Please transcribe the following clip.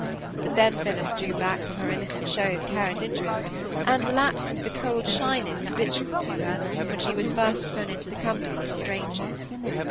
But then Phillis drew back from her innocent show of care and interest, and relapsed into the cold shyness habitual to her when she was first thrown into the company of strangers.